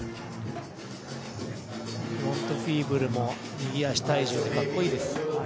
フロントフィーブルも右足体重でかっこいいです。